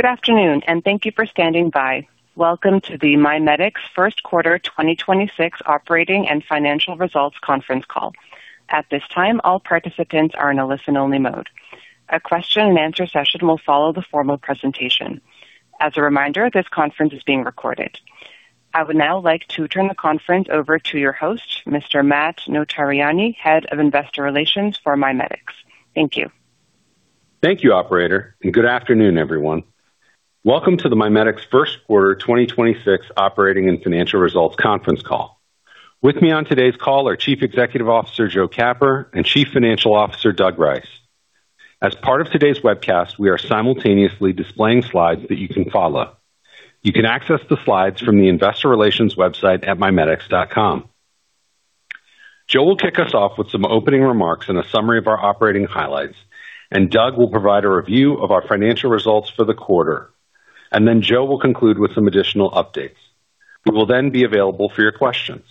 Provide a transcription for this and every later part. Good afternoon, and thank you for standing by. Welcome to the MiMedx First Quarter 2026 Operating and Financial Results Conference Call. At this time, all participants are in a listen-only mode. A question and answer session will follow the formal presentation. As a reminder, this conference is being recorded. I would now like to turn the conference over to your host, Mr. Matt Notarianni, Head of Investor Relations for MiMedx. Thank you. Thank you, operator. Good afternoon, everyone. Welcome to the MiMedx First Quarter 2026 Operating and Financial Results Conference Call. With me on today's call are Chief Executive Officer, Joe Capper, and Chief Financial Officer, Doug Rice. As part of today's webcast, we are simultaneously displaying slides that you can follow. You can access the slides from the investor relations website at mimedx.com. Joe will kick us off with some opening remarks and a summary of our operating highlights. Doug will provide a review of our financial results for the quarter. Joe will conclude with some additional updates. We will then be available for your questions.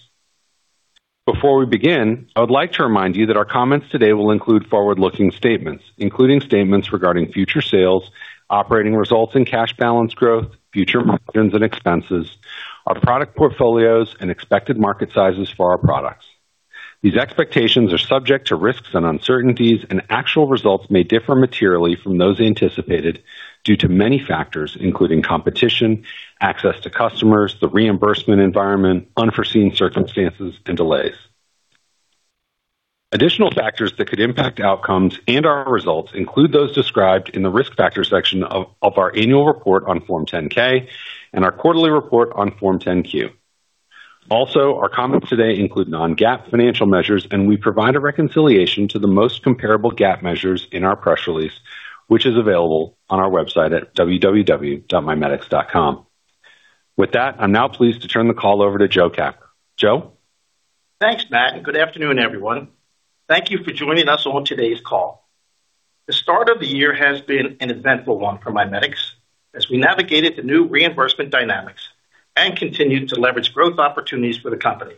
Before we begin, I would like to remind you that our comments today will include forward-looking statements, including statements regarding future sales, operating results and cash balance growth, future margins and expenses, our product portfolios, and expected market sizes for our products. These expectations are subject to risks and uncertainties, and actual results may differ materially from those anticipated due to many factors, including competition, access to customers, the reimbursement environment, unforeseen circumstances, and delays. Additional factors that could impact outcomes and our results include those described in the Risk Factors section of our annual report on Form 10-K and our quarterly report on Form 10-Q. Our comments today include non-GAAP financial measures, and we provide a reconciliation to the most comparable GAAP measures in our press release, which is available on our website at www.mimedx.com. With that, I am now pleased to turn the call over to Joe Capper. Joe. Thanks, Matt. Good afternoon, everyone. Thank you for joining us on today's call. The start of the year has been an eventful one for MiMedx as we navigated the new reimbursement dynamics and continued to leverage growth opportunities for the company.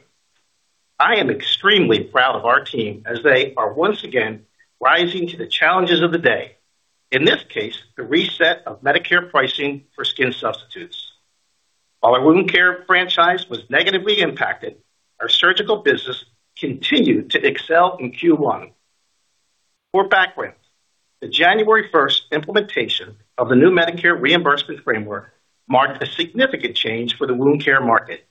I am extremely proud of our team as they are once again rising to the challenges of the day. In this case, the reset of Medicare pricing for skin substitutes. While our wound care franchise was negatively impacted, our surgical business continued to excel in Q1. For background, the January first implementation of the new Medicare reimbursement framework marked a significant change for the wound care market.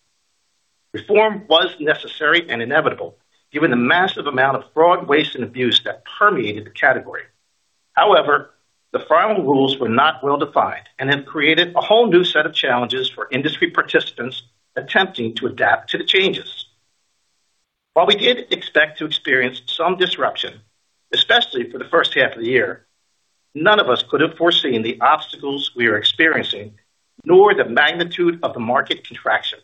Reform was necessary and inevitable given the massive amount of fraud, waste, and abuse that permeated the category. However, the final rules were not well-defined and have created a whole new set of challenges for industry participants attempting to adapt to the changes. While we did expect to experience some disruption, especially for the first half of the year, none of us could have foreseen the obstacles we are experiencing, nor the magnitude of the market contraction.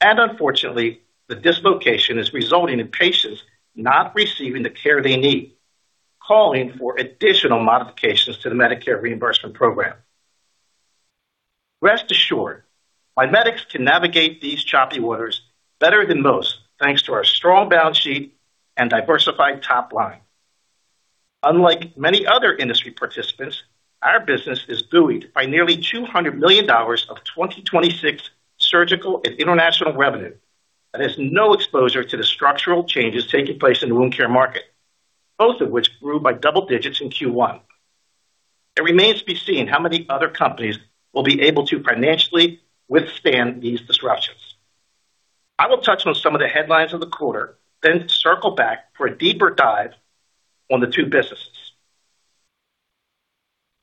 Unfortunately, the dislocation is resulting in patients not receiving the care they need, calling for additional modifications to the Medicare reimbursement program. Rest assured, MiMedx can navigate these choppy waters better than most, thanks to our strong balance sheet and diversified top line. Unlike many other industry participants, our business is buoyed by nearly $200 million of 2026 surgical and international revenue that has no exposure to the structural changes taking place in the wound care market, both of which grew by double digits in Q1. It remains to be seen how many other companies will be able to financially withstand these disruptions. I will touch on some of the headlines of the quarter, then circle back for a deeper dive on the two businesses.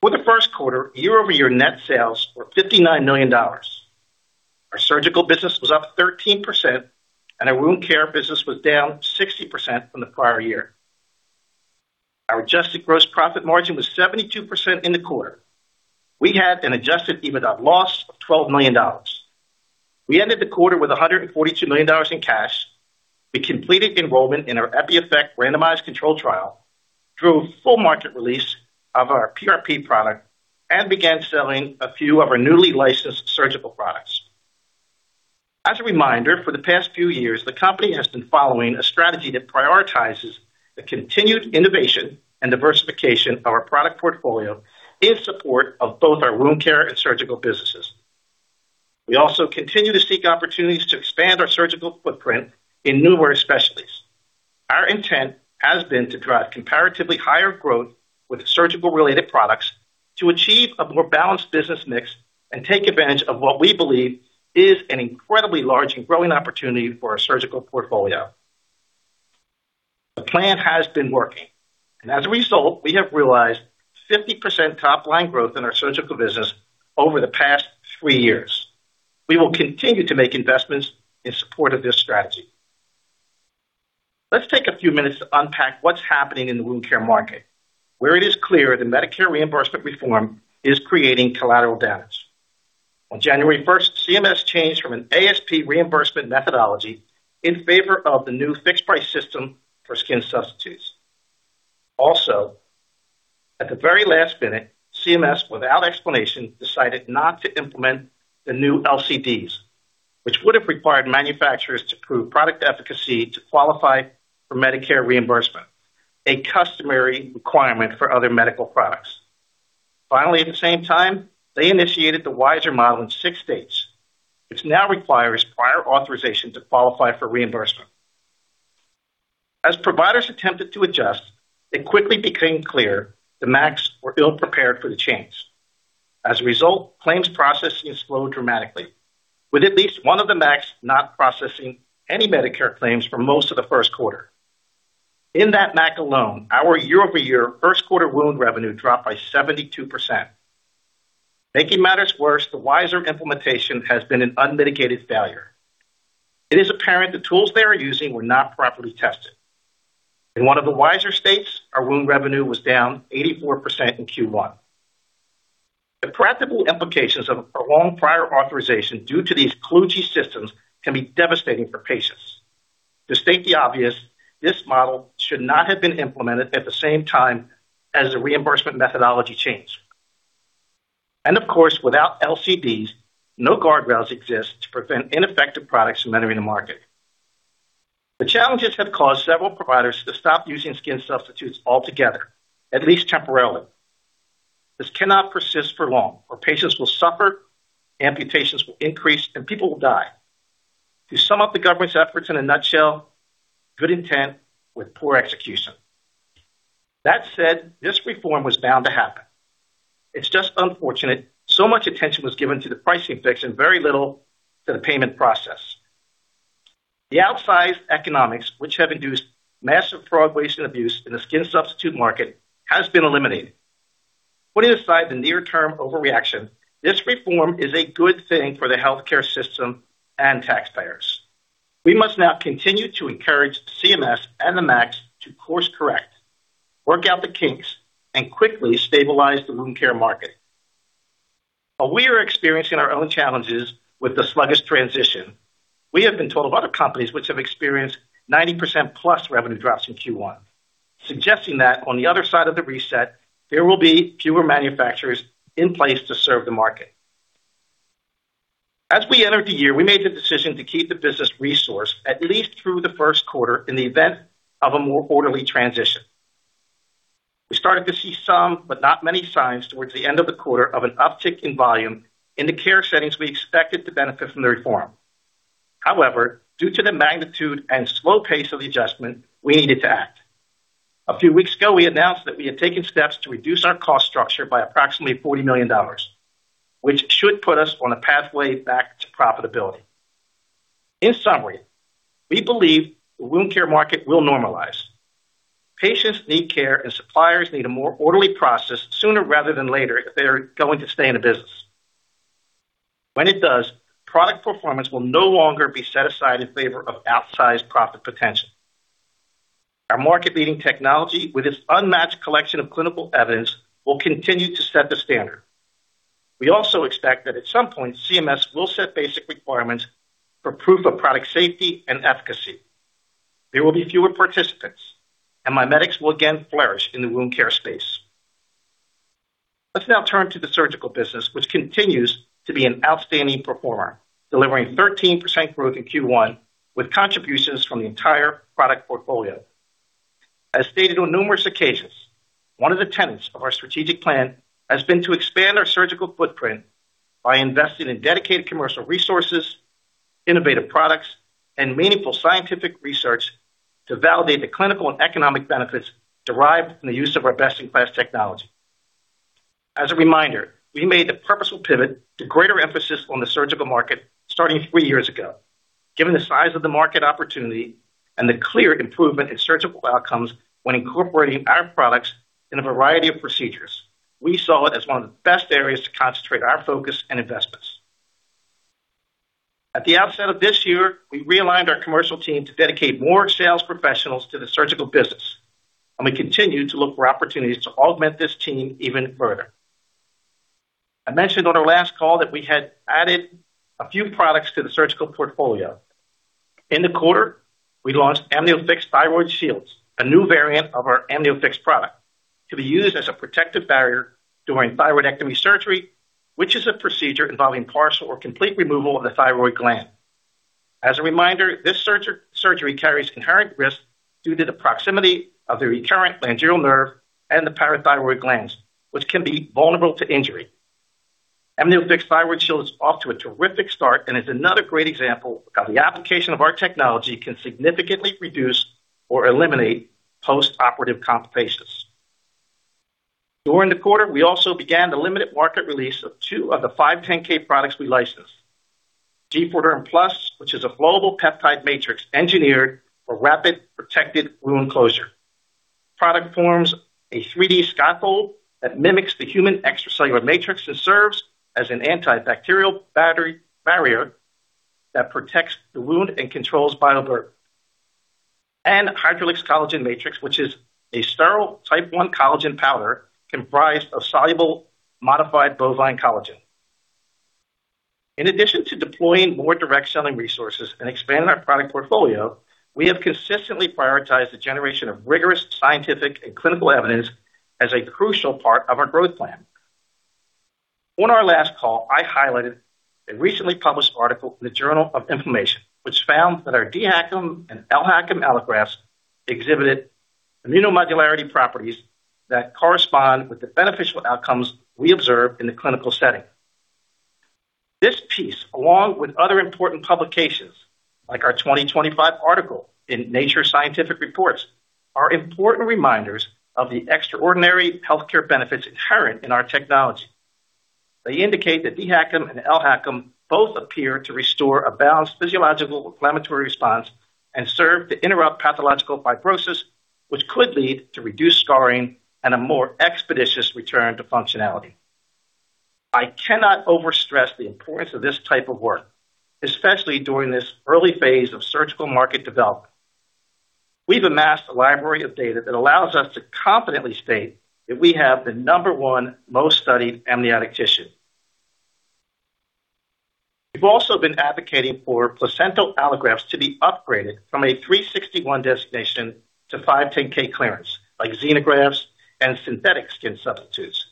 For the first quarter, year-over-year net sales were $59 million. Our surgical business was up 13%, and our wound care business was down 60% from the prior year. Our adjusted gross profit margin was 72% in the quarter. We had an Adjusted EBITDA loss of $12 million. We ended the quarter with $142 million in cash. We completed enrollment in our EPIEFFECT randomized controlled trial, drew full market release of our PRP product, and began selling a few of our newly licensed surgical products. As a reminder, for the past few years, the company has been following a strategy that prioritizes the continued innovation and diversification of our product portfolio in support of both our wound care and surgical businesses. We also continue to seek opportunities to expand our surgical footprint in newer specialties. Our intent has been to drive comparatively higher growth with surgical-related products to achieve a more balanced business mix and take advantage of what we believe is an incredibly large and growing opportunity for our surgical portfolio. The plan has been working, and as a result, we have realized 50% top-line growth in our surgical business over the past three years. We will continue to make investments in support of this strategy. Let's take a few minutes to unpack what's happening in the wound care market, where it is clear the Medicare reimbursement reform is creating collateral damage. On January 1, CMS changed from an ASP reimbursement methodology in favor of the new fixed-price system for skin substitutes. Also, at the very last minute, CMS, without explanation, decided not to implement the new LCDs, which would have required manufacturers to prove product efficacy to qualify for Medicare reimbursement, a customary requirement for other medical products. Finally, at the same time, they initiated the WISeR model in six states, which now requires prior authorization to qualify for reimbursement. As providers attempted to adjust, it quickly became clear the MACs were ill-prepared for the change. As a result, claims processing has slowed dramatically, with at least one of the MACs not processing any Medicare claims for most of the 1st quarter. In that MAC alone, our year-over-year 1st quarter wound revenue dropped by 72%. Making matters worse, the WISeR implementation has been an unmitigated failure. It is apparent the tools they were using were not properly tested. In one of the WISeR states, our wound revenue was down 84% in Q1. The practical implications of a prolonged prior authorization due to these kludgy systems can be devastating for patients. To state the obvious, this model should not have been implemented at the same time as the reimbursement methodology change. Of course, without LCDs, no guardrails exist to prevent ineffective products from entering the market. The challenges have caused several providers to stop using skin substitutes altogether, at least temporarily. This cannot persist for long, or patients will suffer, amputations will increase, and people will die. To sum up the government's efforts in a nutshell, good intent with poor execution. That said, this reform was bound to happen. It's just unfortunate so much attention was given to the pricing fix and very little to the payment process. The outsized economics, which have induced massive fraud, waste, and abuse in the skin substitute market, has been eliminated. Putting aside the near-term overreaction, this reform is a good thing for the healthcare system and taxpayers. We must now continue to encourage CMS and the MACs to course-correct, work out the kinks, and quickly stabilize the wound care market. While we are experiencing our own challenges with the sluggish transition, we have been told of other companies which have experienced 90% plus revenue drops in Q1, suggesting that on the other side of the reset, there will be fewer manufacturers in place to serve the market. As we entered the year, we made the decision to keep the business resourced at least through the first quarter in the event of a more orderly transition. We started to see some, but not many, signs towards the end of the quarter of an uptick in volume in the care settings we expected to benefit from the reform. However, due to the magnitude and slow pace of the adjustment, we needed to act. A few weeks ago, we announced that we had taken steps to reduce our cost structure by approximately $40 million, which should put us on a pathway back to profitability. In summary, we believe the wound care market will normalize. Patients need care, and suppliers need a more orderly process sooner rather than later if they are going to stay in the business. When it does, product performance will no longer be set aside in favor of outsized profit potential. Our market-leading technology with its unmatched collection of clinical evidence will continue to set the standard. We also expect that at some point, CMS will set basic requirements for proof of product safety and efficacy. There will be fewer participants, and MiMedx will again flourish in the wound care space. Let's now turn to the surgical business, which continues to be an outstanding performer, delivering 13% growth in Q1 with contributions from the entire product portfolio. As stated on numerous occasions, one of the tenets of our strategic plan has been to expand our surgical footprint by investing in dedicated commercial resources, innovative products, and meaningful scientific research to validate the clinical and economic benefits derived from the use of our best-in-class technology. As a reminder, we made the purposeful pivot to greater emphasis on the surgical market starting three years ago. Given the size of the market opportunity and the clear improvement in surgical outcomes when incorporating our products in a variety of procedures, we saw it as one of the best areas to concentrate our focus and investments. At the outset of this year, we realigned our commercial team to dedicate more sales professionals to the surgical business, and we continue to look for opportunities to augment this team even further. I mentioned on our last call that we had added a few products to the surgical portfolio. In the quarter, we launched AMNIOFIX Thyroid Shields, a new variant of our AmnioFix product, to be used as a protective barrier during thyroidectomy surgery, which is a procedure involving partial or complete removal of the thyroid gland. As a reminder, this surgery carries inherent risk due to the proximity of the recurrent laryngeal nerve and the parathyroid glands, which can be vulnerable to injury. AmnioFix Thyroid Shield is off to a terrific start and is another great example of how the application of our technology can significantly reduce or eliminate postoperative complications. During the quarter, we also began the limited market release of two of the 510(k) products we licensed. G4Derm Plus, which is a flowable peptide matrix engineered for rapid protected wound closure. Product forms a 3D scaffold that mimics the human extracellular matrix and serves as an antibacterial barrier that protects the wound and controls bioburden and Hydrelix Collagen Matrix, which is a sterile Type 1 collagen powder comprised of soluble modified bovine collagen. In addition to deploying more direct selling resources and expanding our product portfolio, we have consistently prioritized the generation of rigorous scientific and clinical evidence as a crucial part of our growth plan. On our last call, I highlighted a recently published article in the Journal of Inflammation, which found that our dHACM and LHACM allografts exhibited immunomodularity properties that correspond with the beneficial outcomes we observe in the clinical setting. This piece, along with other important publications, like our 2025 article in Nature Scientific Reports, are important reminders of the extraordinary healthcare benefits inherent in our technology. They indicate that dHACM and LHACM both appear to restore a balanced physiological inflammatory response and serve to interrupt pathological fibrosis, which could lead to reduced scarring and a more expeditious return to functionality. I cannot overstress the importance of this type of work, especially during this early phase of surgical market development. We've amassed a library of data that allows us to confidently state that we have the number 1 most studied amniotic tissue. We've also been advocating for placental allografts to be upgraded from a 361 designation to 510(k) clearance, like xenografts and synthetic skin substitutes.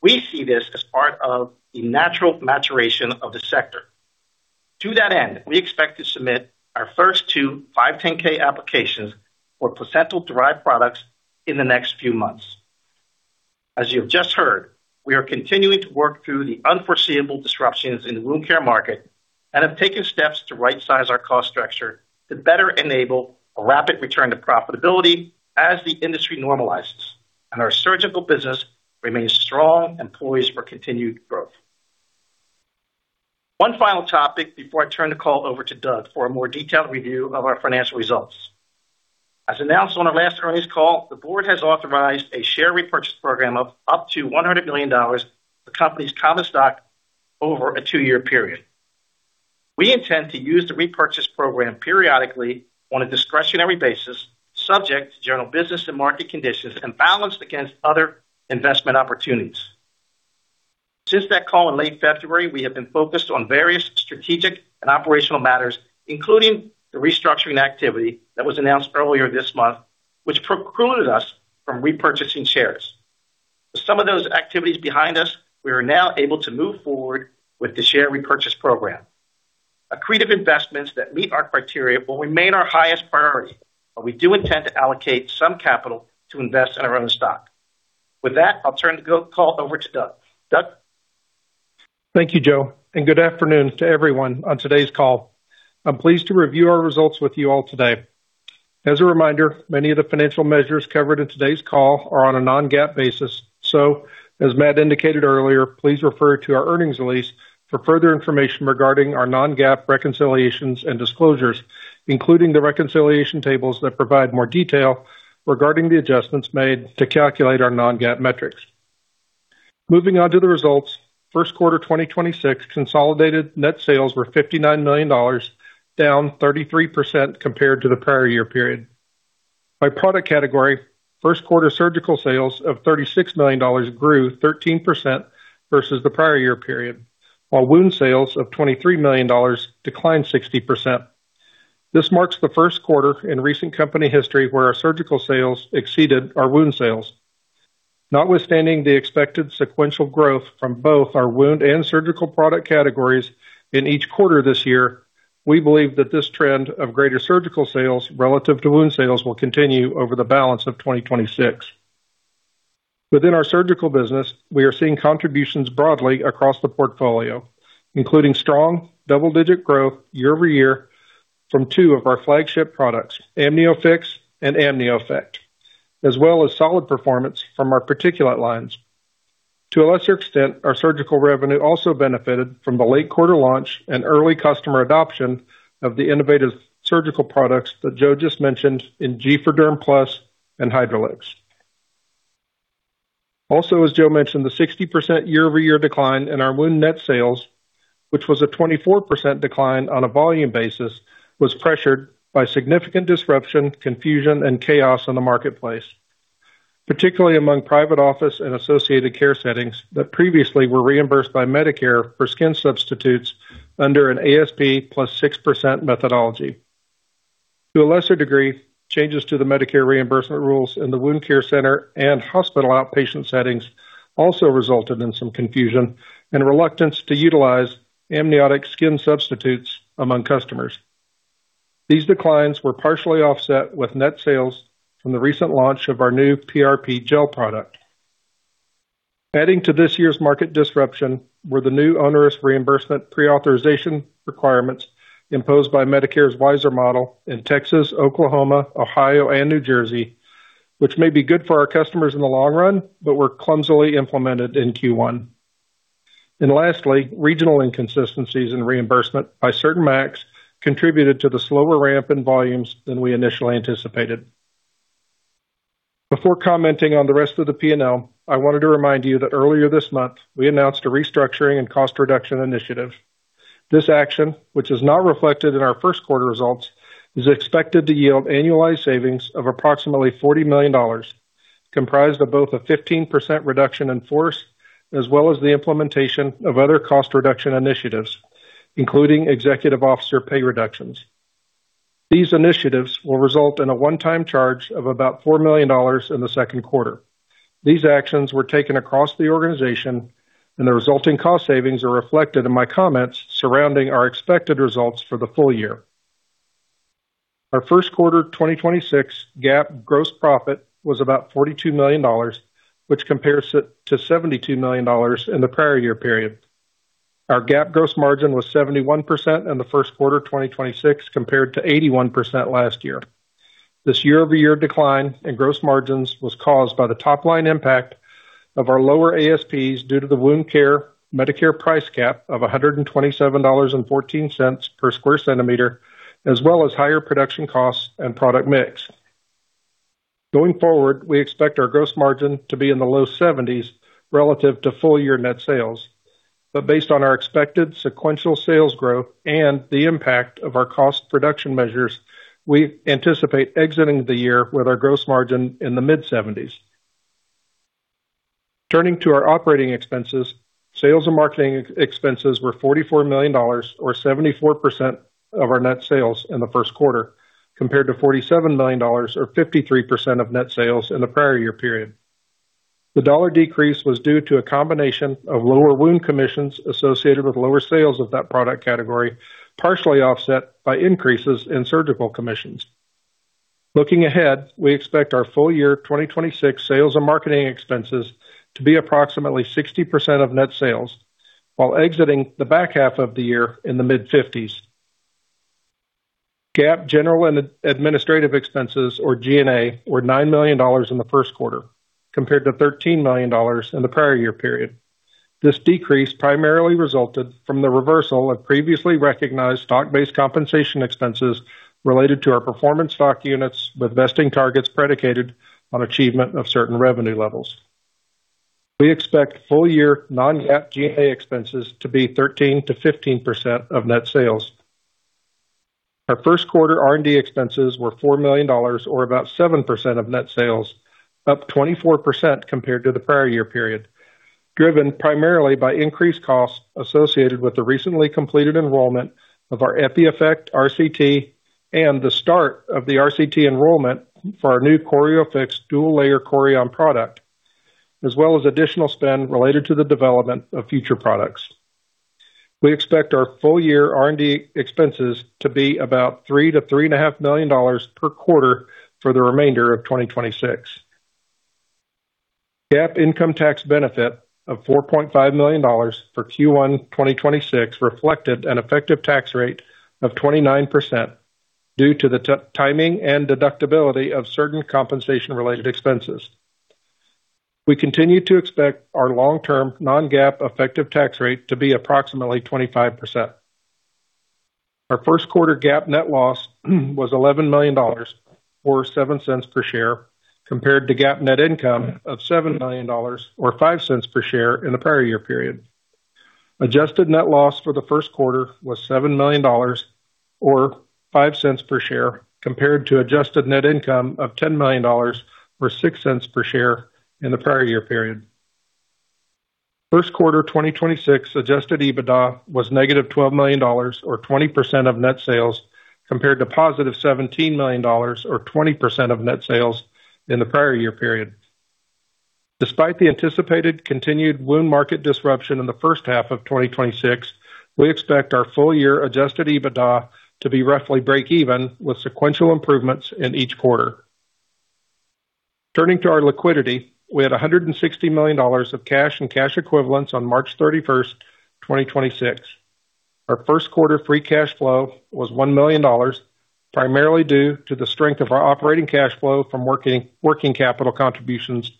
We see this as part of the natural maturation of the sector. To that end, we expect to submit our first two 510(k) applications for placental-derived products in the next few months. As you have just heard, we are continuing to work through the unforeseeable disruptions in the wound care market and have taken steps to right-size our cost structure to better enable a rapid return to profitability as the industry normalizes and our surgical business remains strong and poised for continued growth. One final topic before I turn the call over to Doug for a more detailed review of our financial results. As announced on our last earnings call, the board has authorized a share repurchase program of up to $100 million for the company's common stock over a two-year period. We intend to use the repurchase program periodically on a discretionary basis, subject to general business and market conditions and balanced against other investment opportunities. Since that call in late February, we have been focused on various strategic and operational matters, including the restructuring activity that was announced earlier this month, which precluded us from repurchasing shares. With some of those activities behind us, we are now able to move forward with the share repurchase program. Accretive investments that meet our criteria will remain our highest priority, but we do intend to allocate some capital to invest in our own stock. With that, I'll turn the call over to Doug. Doug? Thank you, Joe, and good afternoon to everyone on today's call. I'm pleased to review our results with you all today. As a reminder, many of the financial measures covered in today's call are on a non-GAAP basis. As Matt indicated earlier, please refer to our earnings release for further information regarding our non-GAAP reconciliations and disclosures, including the reconciliation tables that provide more detail regarding the adjustments made to calculate our non-GAAP metrics. Moving on to the results. First quarter 2026 consolidated net sales were $59 million, down 33% compared to the prior year period. By product category, first quarter surgical sales of $36 million grew 13% versus the prior year period, while wound sales of $23 million declined 60%. This marks the first quarter in recent company history where our surgical sales exceeded our wound sales. Notwithstanding the expected sequential growth from both our wound and surgical product categories in each quarter this year, we believe that this trend of greater surgical sales relative to wound sales will continue over the balance of 2026. Within our surgical business, we are seeing contributions broadly across the portfolio, including strong double-digit growth year over year from two of our flagship products, AmnioFix and AMNIOEFFECT, as well as solid performance from our particulate lines. To a lesser extent, our surgical revenue also benefited from the late quarter launch and early customer adoption of the innovative surgical products that Joe just mentioned in G4Derm Plus and HydroLix. As Joe mentioned, the 60% year-over-year decline in our wound net sales, which was a 24% decline on a volume basis, was pressured by significant disruption, confusion, and chaos in the marketplace, particularly among private office and associated care settings that previously were reimbursed by Medicare for skin substitutes under an ASP plus 6% methodology. To a lesser degree, changes to the Medicare reimbursement rules in the wound care center and hospital outpatient settings also resulted in some confusion and reluctance to utilize amniotic skin substitutes among customers. These declines were partially offset with net sales from the recent launch of our new PRP gel product. Adding to this year's market disruption were the new onerous reimbursement pre-authorization requirements imposed by Medicare's WISeR model in Texas, Oklahoma, Ohio, and New Jersey, which may be good for our customers in the long run, but were clumsily implemented in Q1. Lastly, regional inconsistencies in reimbursement by certain MACs contributed to the slower ramp in volumes than we initially anticipated. Before commenting on the rest of the P&L, I wanted to remind you that earlier this month, we announced a restructuring and cost reduction initiative. This action, which is not reflected in our first quarter results, is expected to yield annualized savings of approximately $40 million, comprised of both a 15% reduction in force as well as the implementation of other cost reduction initiatives, including executive officer pay reductions. These initiatives will result in a one-time charge of about $4 million in the second quarter. These actions were taken across the organization, and the resulting cost savings are reflected in my comments surrounding our expected results for the full year. Our first quarter 2026 GAAP gross profit was about $42 million, which compares to $72 million in the prior year period. Our GAAP gross margin was 71% in the first quarter of 2026, compared to 81% last year. This year-over-year decline in gross margins was caused by the top-line impact of our lower ASPs due to the wound care Medicare price cap of $127.14 per square centimeter, as well as higher production costs and product mix. Going forward, we expect our gross margin to be in the low 70s relative to full year net sales. Based on our expected sequential sales growth and the impact of our cost reduction measures, we anticipate exiting the year with our gross margin in the mid-70s. Turning to our operating expenses, sales and marketing expenses were $44 million or 74% of our net sales in the first quarter, compared to $47 million or 53% of net sales in the prior year period. The dollar decrease was due to a combination of lower wound commissions associated with lower sales of that product category, partially offset by increases in surgical commissions. Looking ahead, we expect our full year 2026 sales and marketing expenses to be approximately 60% of net sales while exiting the back half of the year in the mid-50s. GAAP general and administrative expenses, or G&A, were $9 million in the first quarter, compared to $13 million in the prior year period. This decrease primarily resulted from the reversal of previously recognized stock-based compensation expenses related to our performance stock units with vesting targets predicated on achievement of certain revenue levels. We expect full year non-GAAP G&A expenses to be 13%-15% of net sales. Our first quarter R&D expenses were $4 million or about 7% of net sales, up 24% compared to the prior year period, driven primarily by increased costs associated with the recently completed enrollment of our EPIEFFECT RCT and the start of the RCT enrollment for our new CHORIOFIX dual layer chorion product, as well as additional spend related to the development of future products. We expect our full year R&D expenses to be about $3 million-$3.5 million per quarter for the remainder of 2026. GAAP income tax benefit of $4.5 million for Q1 2026 reflected an effective tax rate of 29% due to the timing and deductibility of certain compensation related expenses. We continue to expect our long-term non-GAAP effective tax rate to be approximately 25%. Our first quarter GAAP net loss was $11 million or $0.07 per share, compared to GAAP net income of $7 million or $0.05 per share in the prior year period. Adjusted net loss for the first quarter was $7 million or $0.05 per share, compared to adjusted net income of $10 million or $0.06 per share in the prior year period. First quarter 2026 Adjusted EBITDA was negative $12 million or 20% of net sales, compared to positive $17 million or 20% of net sales in the prior year period. Despite the anticipated continued wound market disruption in the first half of 2026, we expect our full year Adjusted EBITDA to be roughly break even with sequential improvements in each quarter. Turning to our liquidity, we had $160 million of cash and cash equivalents on March 31st, 2026. Our first quarter free cash flow was $1 million, primarily due to the strength of our operating cash flow from working capital contributions,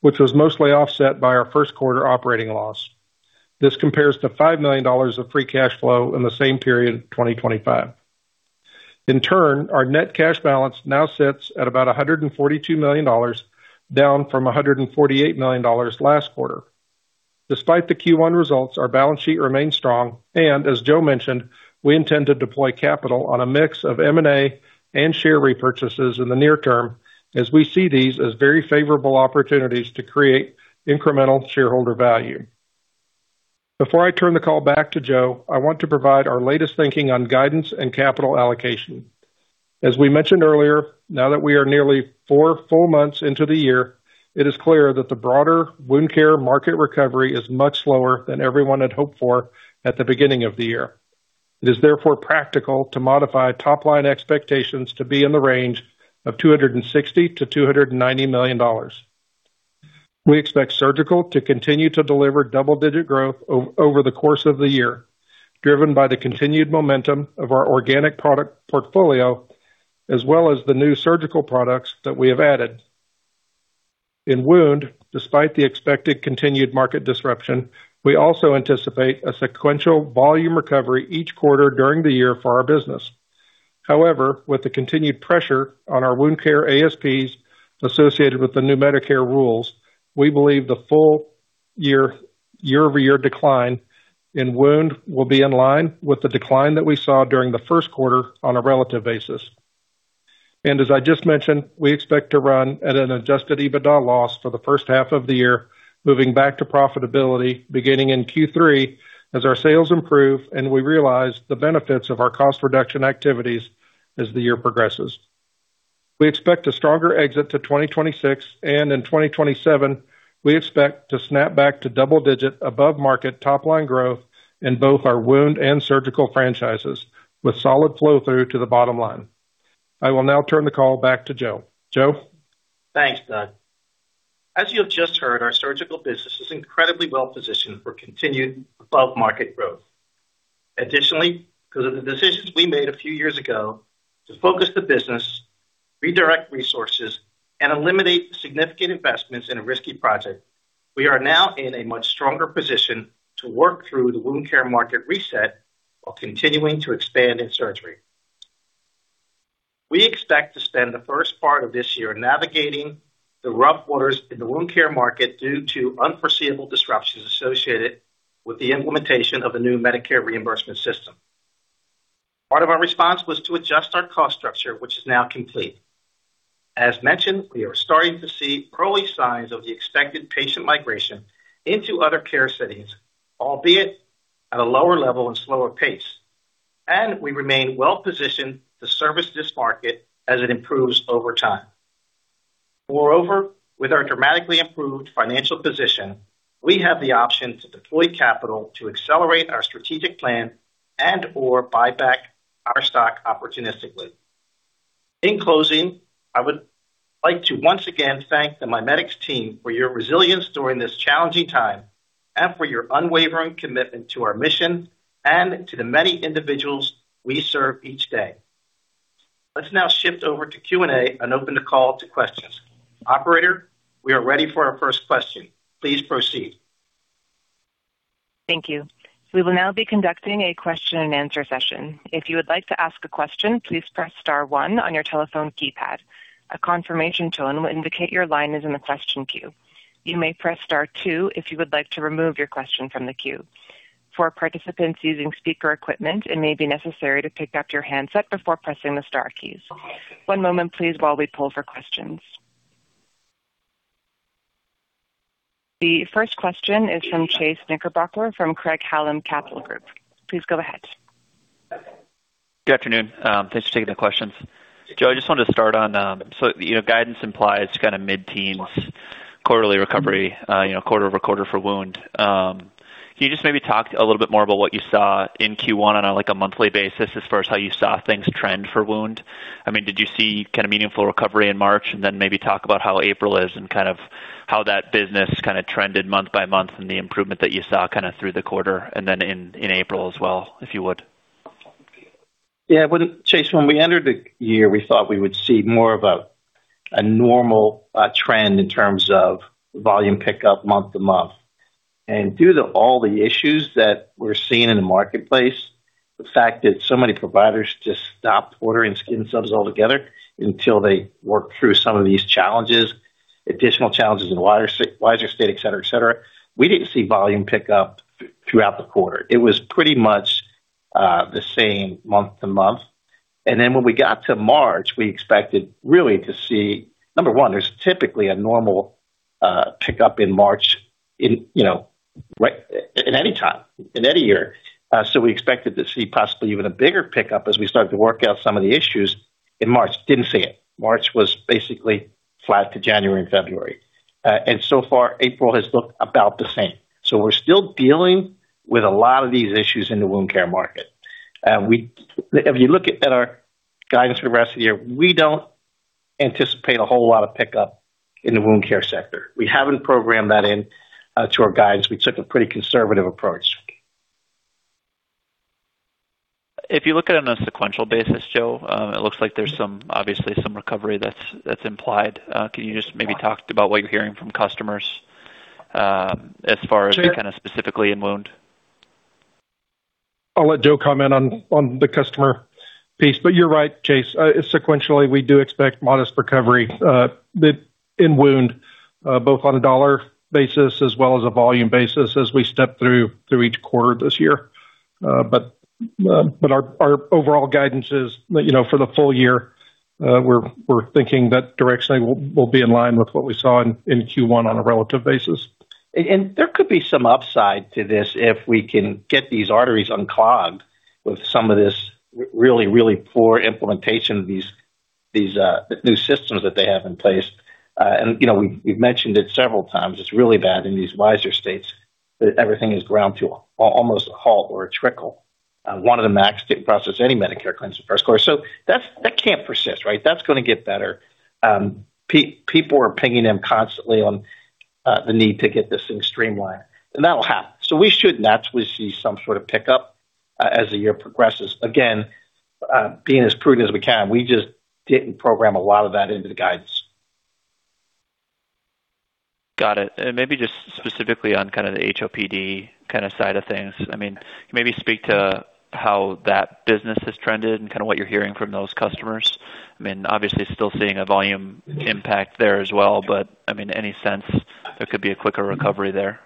which was mostly offset by our first quarter operating loss. This compares to $5 million of free cash flow in the same period, 2025. Our net cash balance now sits at about $142 million, down from $148 million last quarter. Despite the Q1 results, our balance sheet remains strong, and as Joe mentioned, we intend to deploy capital on a mix of M&A and share repurchases in the near term as we see these as very favorable opportunities to create incremental shareholder value. Before I turn the call back to Joe, I want to provide our latest thinking on guidance and capital allocation. As we mentioned earlier, now that we are nearly four full months into the year, it is clear that the broader wound care market recovery is much slower than everyone had hoped for at the beginning of the year. It is therefore practical to modify top-line expectations to be in the range of $260 million-$290 million. We expect surgical to continue to deliver double-digit growth over the course of the year, driven by the continued momentum of our organic product portfolio as well as the new surgical products that we have added. In wound, despite the expected continued market disruption, we also anticipate a sequential volume recovery each quarter during the year for our business. However, with the continued pressure on our wound care ASPs associated with the new Medicare rules, we believe the full year-over-year decline in wound will be in line with the decline that we saw during the first quarter on a relative basis. As I just mentioned, we expect to run at an Adjusted EBITDA loss for the first half of the year, moving back to profitability beginning in Q3 as our sales improve and we realize the benefits of our cost reduction activities as the year progresses. We expect a stronger exit to 2026, and in 2027, we expect to snap back to double-digit above market top-line growth in both our wound and surgical franchises with solid flow-through to the bottom line. I will now turn the call back to Joe. Joe? Thanks, Doug. As you have just heard, our surgical business is incredibly well-positioned for continued above-market growth. Additionally, because of the decisions we made a few years ago to focus the business, redirect resources, and eliminate significant investments in a risky project, we are now in a much stronger position to work through the wound care market reset while continuing to expand in surgery. We expect to spend the first part of this year navigating the rough waters in the wound care market due to unforeseeable disruptions associated with the implementation of a new Medicare reimbursement system. Part of our response was to adjust our cost structure, which is now complete. As mentioned, we are starting to see early signs of the expected patient migration into other care settings, albeit at a lower level and slower pace, and we remain well-positioned to service this market as it improves over time. Moreover, with our dramatically improved financial position, we have the option to deploy capital to accelerate our strategic plan and/or buy back our stock opportunistically. In closing, I would like to once again thank the MiMedx team for your resilience during this challenging time and for your unwavering commitment to our mission and to the many individuals we serve each day. Let's now shift over to Q&A and open the call to questions. Operator, we are ready for our first question. Please proceed. Thank you. We will now be conducting a question-and-answer session. If you would like to ask a question, please press star one on your telephone keypad. A confirmation tone will indicate your line is in the question queue. You may press star two if you would like to remove your question from the queue. For participants using speaker equipment, it may be necessary to pick up your handset before pressing the star keys. One moment please while we poll for questions. The first question is from Chase Knickerbocker from Craig-Hallum Capital Group. Please go ahead. Good afternoon. Thanks for taking the questions. Joe, I just wanted to start on, so, you know, guidance implies kind of mid-teens quarterly recovery, you know, quarter-over-quarter for wound. Can you just maybe talk a little bit more about what you saw in Q1 on a, like, a monthly basis as far as how you saw things trend for wound? I mean, did you see kind of meaningful recovery in March? Then maybe talk about how April is and kind of how that business kind of trended month-by-month and the improvement that you saw kind of through the quarter and then in April as well, if you would. Yeah. Well, Chase, when we entered the year, we thought we would see more of a normal trend in terms of volume pickup month to month. Due to all the issues that we're seeing in the marketplace, the fact that so many providers just stopped ordering skin subs altogether until they work through some of these challenges, additional challenges in WISeR state, et cetera, we didn't see volume pick up throughout the quarter. It was pretty much the same month to month. When we got to March, we expected really to see. Number one, there's typically a normal pickup in March in, you know, in any time, in any year. We expected to see possibly even a bigger pickup as we started to work out some of the issues in March. Didn't see it. March was basically flat to January and February. So far, April has looked about the same. We're still dealing with a lot of these issues in the wound care market. If you look at our guidance for the rest of the year, we don't anticipate a whole lot of pickup in the wound care sector. We haven't programmed that in to our guidance. We took a pretty conservative approach. If you look at it on a sequential basis, Joe, it looks like there's some, obviously some recovery that's implied. Can you just maybe talk about what you're hearing from customers, as far as- Sure. - kind of specifically in wound? I'll let Joe comment on the customer piece. You're right, Chase. Sequentially, we do expect modest recovery in wound both on a dollar basis as well as a volume basis as we step through each quarter this year. Our overall guidance is, you know, for the full year, we're thinking that directionally we'll be in line with what we saw in Q1 on a relative basis. There could be some upside to this if we can get these arteries unclogged with some of this really poor implementation of these new systems that they have in place. You know, we've mentioned it several times. It's really bad in these WISeR states that everything is ground to almost a halt or a trickle. One of the MACs has yet to process any Medicare claims in the first quarter. That can't persist, right? That's gonna get better. People are pinging them constantly on the need to get this thing streamlined, and that will happen. We should naturally see some sort of pickup as the year progresses. Again, being as prudent as we can, we just didn't program a lot of that into the guidance. Got it. Maybe just specifically on kind of the HOPD kind of side of things, I mean, can you maybe speak to how that business has trended and kind of what you're hearing from those customers? I mean, obviously still seeing a volume impact there as well, but, I mean, any sense there could be a quicker recovery there?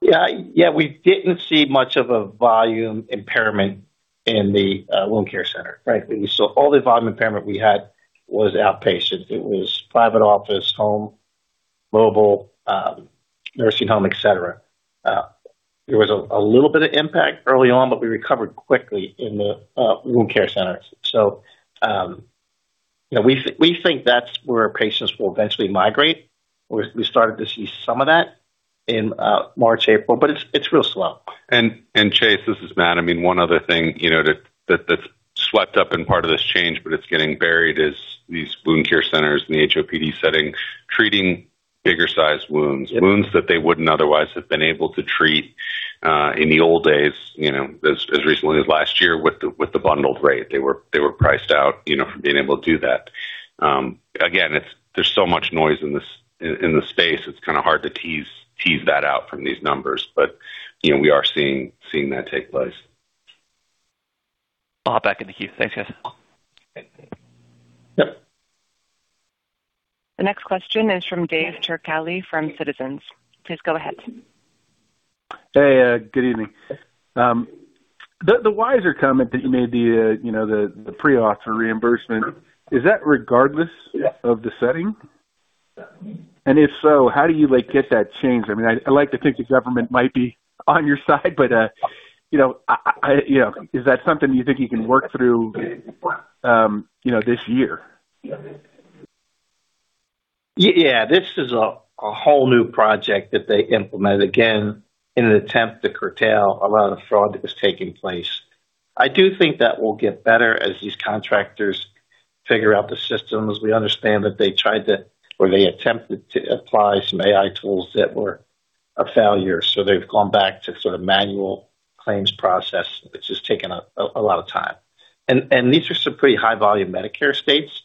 Yeah, yeah, we didn't see much of a volume impairment in the wound care center. Frankly, we saw all the volume impairment we had was outpatient. It was private office, home, mobile, nursing home, et cetera. There was a little bit of impact early on, but we recovered quickly in the wound care centers. You know, we think that's where patients will eventually migrate. We started to see some of that in March, April, but it's real slow. Chase, this is Matt. I mean, one other thing, you know, that that's swept up in part of this change, but it's getting buried, is these wound care centers in the HOPD setting, treating bigger sized wounds. Yep. Wounds that they wouldn't otherwise have been able to treat in the old days, you know, as recently as last year with the bundled rate. They were priced out, you know, from being able to do that. Again, there's so much noise in this space, it's kinda hard to tease that out from these numbers. You know, we are seeing that take place. I'll hop back into queue. Thanks, guys. Yep. The next question is from Dave Turkaly from Citizens. Please go ahead. Hey, good evening. The WISeR comment that you made, you know, the pre-auth reimbursement, is that regardless- Yeah. - of the setting? Yeah. If so, how do you, like, get that changed? I mean, I like to think the government might be on your side, but you know, I you know, is that something you think you can work through, you know, this year? Yeah. This is a whole new project that they implemented, again, in an attempt to curtail a lot of fraud that was taking place. I do think that will get better as these contractors figure out the systems. We understand that they tried to, or they attempted to apply some AI tools that were a failure, so they've gone back to sort of manual claims process, which has taken a lot of time. These are some pretty high volume Medicare states,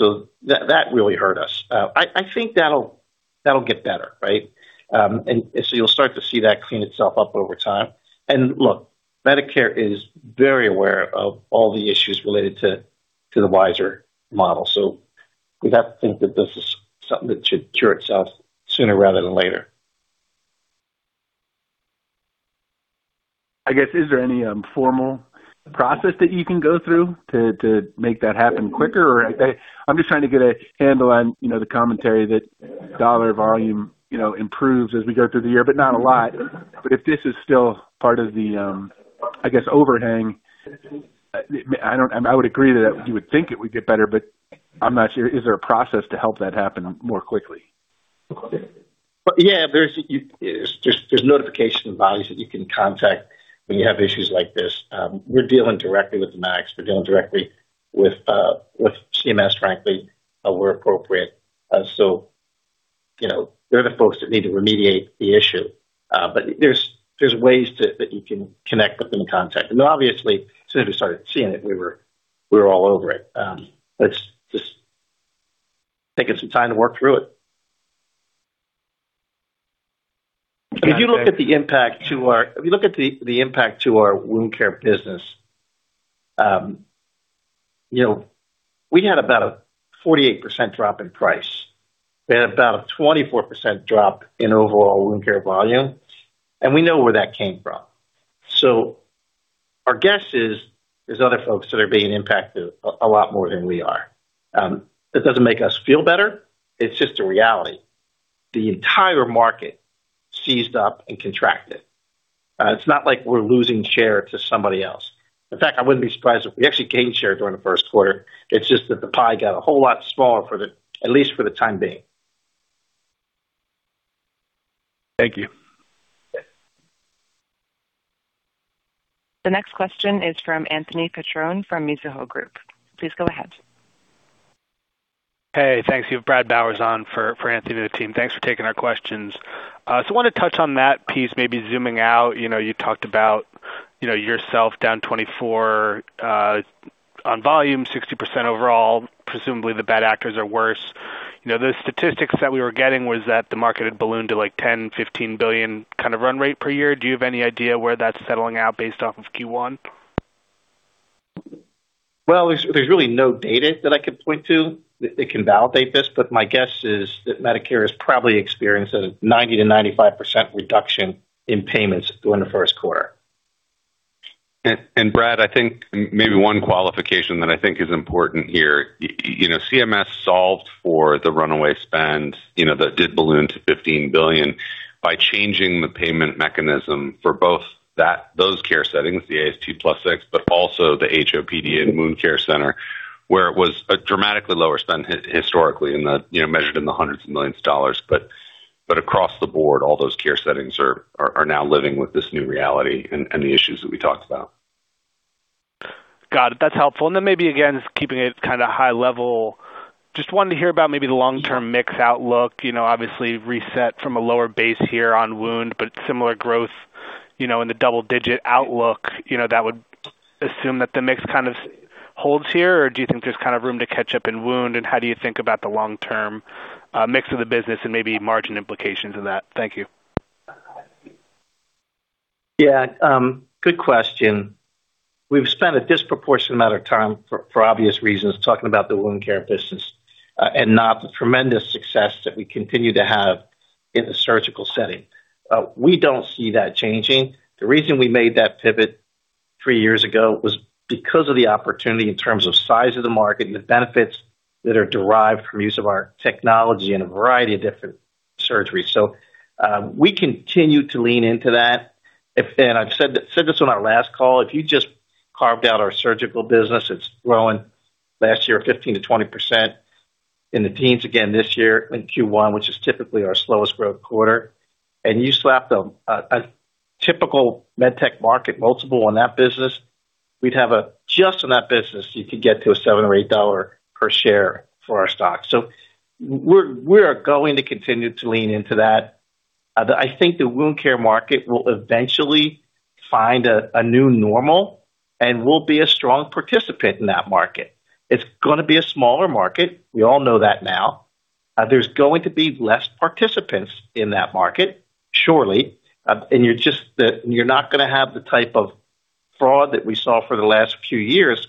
so that really hurt us. I think that'll get better, right? You'll start to see that clean itself up over time. Look, Medicare is very aware of all the issues related to the WISeR model. We'd have to think that this is something that should cure itself sooner rather than later. I guess, is there any formal process that you can go through to make that happen quicker? I'm just trying to get a handle on, you know, the commentary that dollar volume, you know, improves as we go through the year, but not a lot. If this is still part of the, I guess, overhang, I would agree that you would think it would get better, but I'm not sure. Is there a process to help that happen more quickly? Yeah. There's notification bodies that you can contact when you have issues like this. We're dealing directly with the MACs. We're dealing directly with CMS, frankly, where appropriate. You know, they're the folks that need to remediate the issue. There's ways that you can connect with them and contact them. Obviously, as soon as we started seeing it, we were all over it. It's just taking some time to work through it. If you look at the impact to our wound care business, you know, we had about a 48% drop in price and about a 24% drop in overall wound care volume, and we know where that came from. Our guess is there's other folks that are being impacted a lot more than we are. That doesn't make us feel better. It's just a reality. The entire market seized up and contracted. It's not like we're losing share to somebody else. In fact, I wouldn't be surprised if we actually gained share during the first quarter. It's just that the pie got a whole lot smaller, at least for the time being. Thank you. Yeah. The next question is from Anthony Petrone from Mizuho Securities. Please go ahead. Thanks. You have Bradley Bowers on for Anthony and the team. Thanks for taking our questions. So I wanna touch on that piece, maybe zooming out. You know, you talked about, you know, yourself down 24, on volume, 60% overall. Presumably the bad actors are worse. You know, the statistics that we were getting was that the market had ballooned to, like, $10 billion-$15 billion kind of run rate per year. Do you have any idea where that's settling out based off of Q1? Well, there's really no data that I could point to that can validate this, but my guess is that Medicare has probably experienced a 90%-95% reduction in payments during the first quarter. Brad, I think maybe one qualification that I think is important here. You know, CMS solved for the runaway spend, you know, that did balloon to $15 billion by changing the payment mechanism for both those care settings, the ASP plus 6%, but also the HOPD and wound care center, where it was a dramatically lower spend historically in the, you know, measured in the hundreds of millions of dollars. Across the board, all those care settings are now living with this new reality and the issues that we talked about. Got it. That's helpful. Maybe again, just keeping it kinda high level. Just wanted to hear about maybe the long-term mix outlook. You know, obviously reset from a lower base here on wound, but similar growth, you know, in the double digit outlook. You know, that would assume that the mix kind of holds here. Or do you think there's kind of room to catch up in wound? How do you think about the long-term mix of the business and maybe margin implications in that? Thank you. Yeah, good question. We've spent a disproportionate amount of time, for obvious reasons, talking about the wound care business, and not the tremendous success that we continue to have in the surgical setting. We don't see that changing. The reason we made that pivot three years ago was because of the opportunity in terms of size of the market and the benefits that are derived from use of our technology in a variety of different surgeries. We continue to lean into that. I've said this on our last call, if you just carved out our surgical business, it's growing last year 15%-20%, in the teens again this year in Q1, which is typically our slowest growth quarter. You slapped a typical med tech market multiple on that business, we'd have a just on that business, you could get to a $7-$8 per share for our stock. We're going to continue to lean into that. I think the wound care market will eventually find a new normal, and we'll be a strong participant in that market. It's gonna be a smaller market. We all know that now. There's going to be less participants in that market, surely. You're just not gonna have the type of fraud that we saw for the last few years.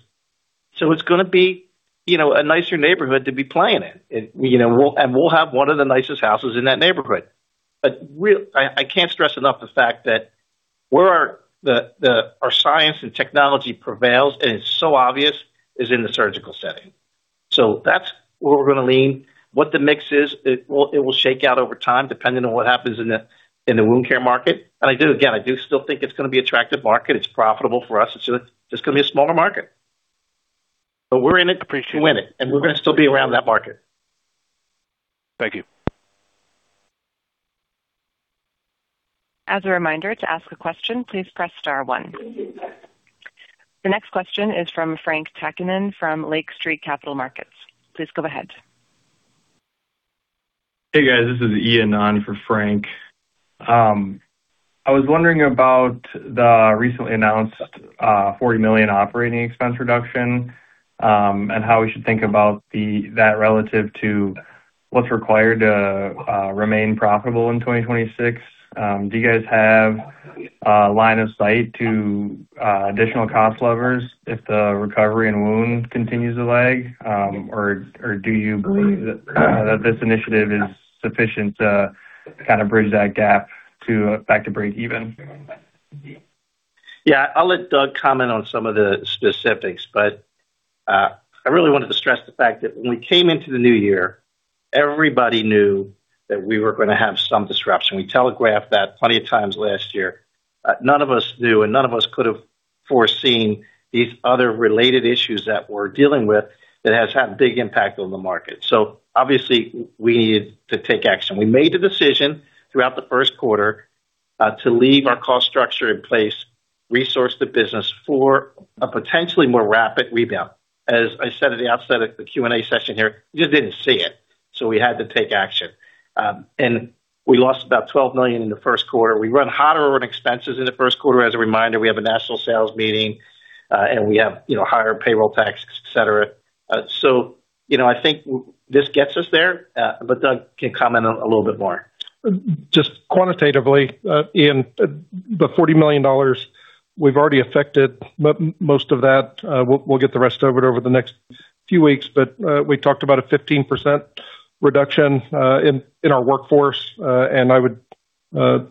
It's gonna be, you know, a nicer neighborhood to be playing in. You know, we'll have one of the nicest houses in that neighborhood. I can't stress enough the fact that where our science and technology prevails, and it's so obvious, is in the surgical setting. That's where we're gonna lean. What the mix is, it will shake out over time, depending on what happens in the wound care market. I do, again, I do still think it's gonna be attractive market. It's profitable for us. It's just gonna be a smaller market. We're in it to win it, and we're gonna still be around that market. Thank you. As a reminder, to ask a question, please press star one. The next question is from Frank Takkinen from Lake Street Capital Markets. Please go ahead. Hey, guys. This is Ian on for Frank. I was wondering about the recently announced $40 million operating expense reduction, and how we should think about that relative to what's required to remain profitable in 2026. Do you guys have a line of sight to additional cost levers if the recovery in wound continues to lag? Or do you believe that this initiative is sufficient to kind of bridge that gap to back to break even? Yeah. I'll let Doug comment on some of the specifics, but I really wanted to stress the fact that when we came into the new year, everybody knew that we were gonna have some disruption. We telegraphed that plenty of times last year. None of us knew, and none of us could have foreseen these other related issues that we're dealing with that has had a big impact on the market. Obviously we needed to take action. We made the decision throughout the first quarter to leave our cost structure in place, resource the business for a potentially more rapid rebound. As I said at the outset of the Q&A session here, we just didn't see it, so we had to take action. We lost about $12 million in the first quarter. We run hotter on expenses in the first quarter. As a reminder, we have a national sales meeting, and we have, you know, higher payroll tax, et cetera. You know, I think this gets us there, but Doug can comment on a little bit more. Just quantitatively, Ian, the $40 million, we've already affected most of that. We'll get the rest of it over the next few weeks. We talked about a 15% reduction in our workforce. And I would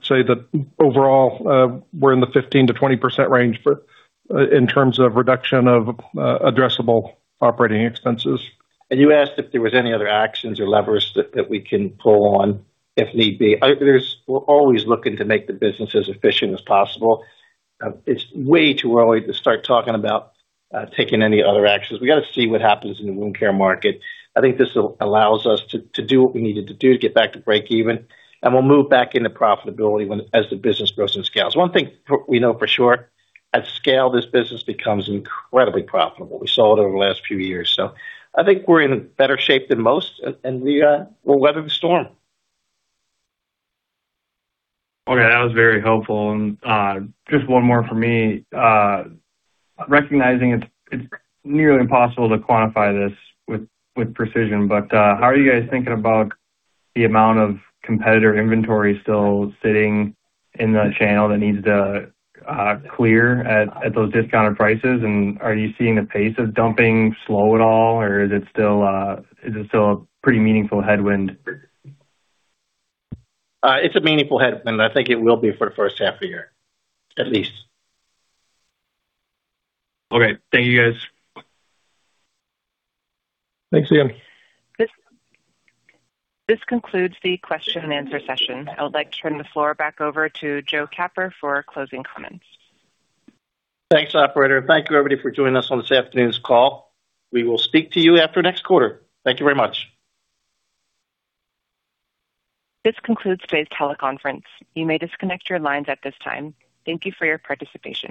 say that overall, we're in the 15%-20% range for in terms of reduction of addressable operating expenses. You asked if there was any other actions or levers that we can pull on if need be. We're always looking to make the business as efficient as possible. It's way too early to start talking about taking any other actions. We gotta see what happens in the wound care market. I think this'll allow us to do what we needed to do to get back to break even, and we'll move back into profitability as the business grows and scales. One thing we know for sure, at scale, this business becomes incredibly profitable. We saw it over the last few years. I think we're in a better shape than most, and we'll weather the storm. Okay. That was very helpful. Just one more from me. Recognizing it's nearly impossible to quantify this with precision, but how are you guys thinking about the amount of competitor inventory still sitting in the channel that needs to clear at those discounted prices? Are you seeing the pace of dumping slow at all, or is it still a pretty meaningful headwind? It's a meaningful headwind. I think it will be for the first half of the year, at least. Okay. Thank you, guys. Thanks, Ian. This concludes the question and answer session. I would like to turn the floor back over to Joe Capper for closing comments. Thanks, operator. Thank you, everybody, for joining us on this afternoon's call. We will speak to you after next quarter. Thank you very much. This concludes today's teleconference. You may disconnect your lines at this time. Thank you for your participation.